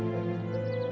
tolong ketahuan eh